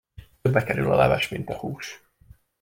Többe kerül a leves, mint a hús.